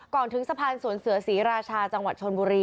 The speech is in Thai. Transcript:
ถึงสะพานสวนเสือศรีราชาจังหวัดชนบุรี